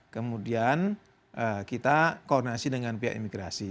kemudian kita koordinasi dengan pihak imigrasi